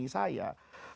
dan pasti penyayangnya